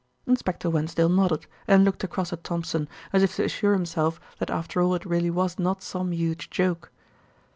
Inspector Wensdale nodded and looked across at Thompson, as if to assure himself that after all it really was not some huge joke.